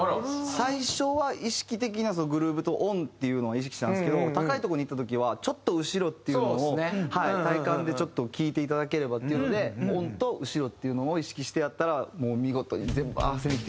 最初は意識的なグルーヴとＯＮっていうのを意識したんですけど高いところにいった時はちょっと後ろっていうのを体感でちょっと聴いていただければっていうのでＯＮと後ろっていうのを意識してやったらもう見事に全部合わせにきてくれて。